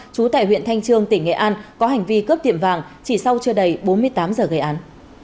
trú tại huyện thanh trương tỉnh nghệ an có hành vi cướp tiệm vàng chỉ sau chưa đầy bốn mươi tám giờ gây án